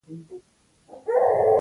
د چای بوی ټول کور خوشبویه کړ.